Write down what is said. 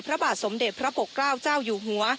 พระบาทสมเด็จพระปกเกล้าเจ้าอยู่หัว